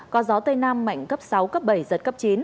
có gió tây nam mạnh cấp sáu cấp bảy giật cấp chín